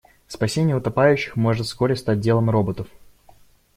Спасение утопающих может вскоре стать делом роботов.